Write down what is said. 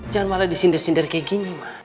jangan malah disindir sindir kayak gini